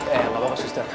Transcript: eh apa apa suster